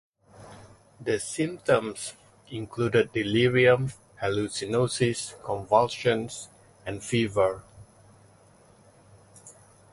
The symptoms included delirium, hallucinosis, convulsions and fever.